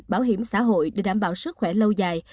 bảo hiểm xã hội để đảm bảo sức khỏe lâu dài